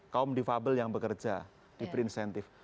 kaum difabel yang bekerja diberi insentif